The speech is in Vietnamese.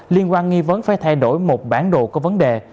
liên quan nghi vấn phải thay đổi một bản đồ có vấn đề